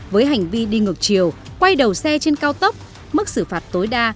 với hành vi đi ngược chiều quay đầu xe trên cao tốc mức xử phạt tối đa